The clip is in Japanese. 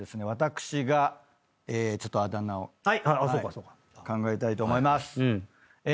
私がちょっとあだ名を考えたいと思います。